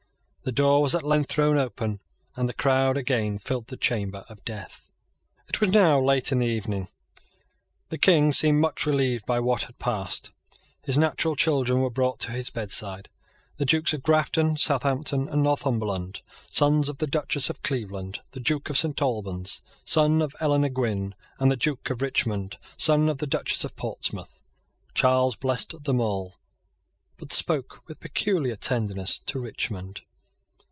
The door was at length thrown open, and the crowd again filled the chamber of death. It was now late in the evening. The King seemed much relieved by what had passed. His natural children were brought to his bedside, the Dukes of Grafton, Southampton, and Northumberland, sons of the Duchess of Cleveland, the Duke of Saint Albans, son of Eleanor Gwynn, and the Duke of Richmond, son of the Duchess of Portsmouth. Charles blessed them all, but spoke with peculiar tenderness to Richmond.